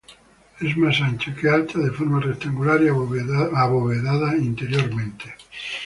Es más ancha que alta, de forma rectangular y abovedada interiormente.